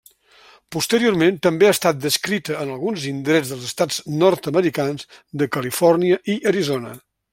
Posteriorment també ha estat descrita en alguns indrets dels estats nord-americans de Califòrnia i Arizona.